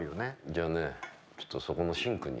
じゃあねちょっとそこのシンクに。